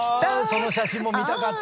その写真も見たかった！